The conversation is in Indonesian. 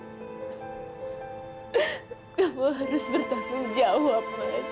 kamu harus bertanggung jawab mas